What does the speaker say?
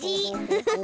フフフフ。